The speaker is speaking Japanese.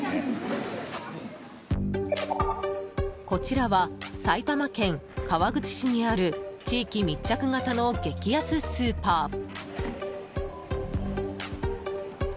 こちらは埼玉県川口市にある地域密着型の激安スーパー。